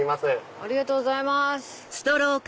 ありがとうございます。